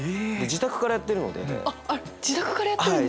自宅からやってるんですか！